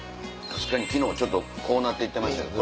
確かに昨日ちょっと濃くなって行ってましたよね。